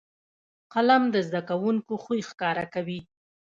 قلم د زده کوونکو خوی ښکاره کوي